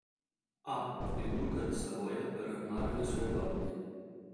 A. il duca di Savoia per armare le sue guardie.